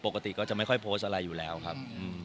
ปกติก็จะไม่ค่อยโพสต์อะไรอยู่แล้วครับ